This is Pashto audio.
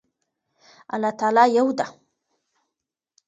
الله تعالی يو ده